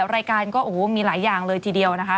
รายการก็โอ้โหมีหลายอย่างเลยทีเดียวนะคะ